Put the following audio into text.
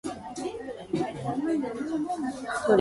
For this reason none of us must abandon his post.